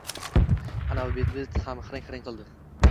Anavi bezbet ham hiring-hiring qildi